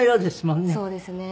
そうですね。